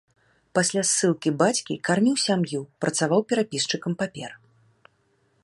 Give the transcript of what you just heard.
Пасля ссылкі бацькі карміў сям'ю, працаваў перапісчыкам папер.